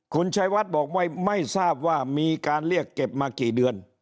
คุณชัยวัดบอกว่าไม่ทราบว่ามีการเรียกเก็บมากี่เดือน